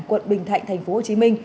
quận bình thạnh tp hcm